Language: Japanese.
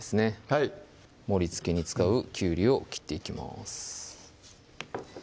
はい盛りつけに使うきゅうりを切っていきます